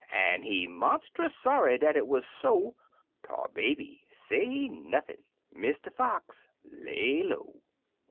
An' he monstus sorry dat it wuz so! Tar Baby say nothin' — Mr. Fox lay low.